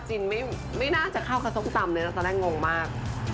เสร็จแล้วนะคะเราได้ส้มตำมาแล้วจากจินน่ะนะคะ